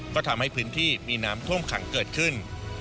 ก็ทำให้พื้นที่มีน้ำท่วมขังเกิดขึ้น